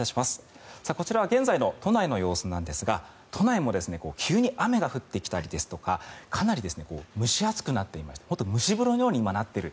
こちらは現在の都内の様子なんですが都内も急に雨が降ってきたりですとかかなり蒸し暑くなっていて本当に蒸し風呂のようになっている。